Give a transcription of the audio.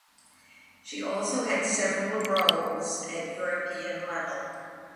She also had several roles at European level.